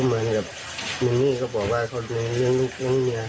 มันนี่ก็บอกว่ายงแม่เบลี่อยู่ข้อครัวเขา